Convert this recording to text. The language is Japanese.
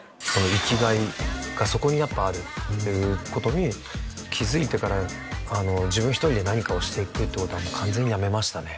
生き甲斐がそこにやっぱあるっていうことに気づいてから自分一人で何かをしていくってことはもう完全にやめましたね